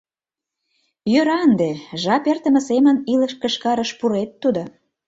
Йӧра ынде, жап эртыме семын илыш кышкарыш пурет тудо.